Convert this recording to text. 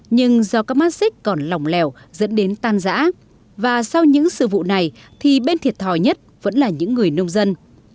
nhưng do các mát xích còn lỏng lẻo dẫn đến tan giã và sau những sự vụ này thì bên thiệt thò nhất vẫn là những người nông dân